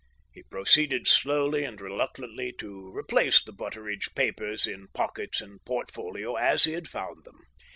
He proceeded slowly and reluctantly to replace the Butteridge papers in pockets and portfolio as he had found them.